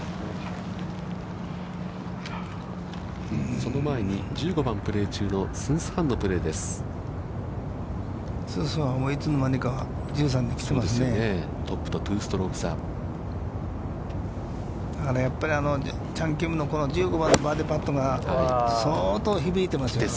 その前に、１５番をプレー中の、スンス・ハンのプレーです。